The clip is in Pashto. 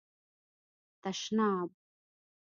🚾 تشناب